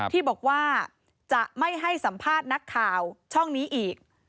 ที่บอกว่าจะไม่ให้สัมภาษณ์นักข่าวช่องนี้อีก